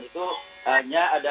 itu hanya ada